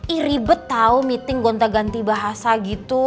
i ribet tau meeting gonta ganti bahasa gitu